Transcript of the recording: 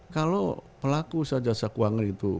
kalau pelaku sahaja sekeuangan itu